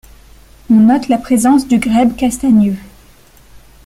On note la présence du grèbe castagneux.